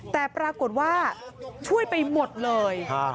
แต่ปรากฏว่าช่วยไปหมดเลย